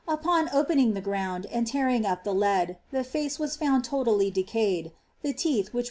Upon opening the ground, and teariof op the lead, the face was found totally decayed ; the teeth, which wcM sound, had fiillen.